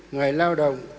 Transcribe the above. người lao động